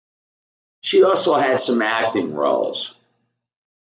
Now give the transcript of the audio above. She also had some acting roles.